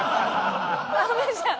ダメじゃん！